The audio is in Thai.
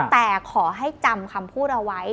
แต่ขอให้จำคำพูดเอาไว้